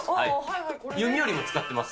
弓よりも使ってます、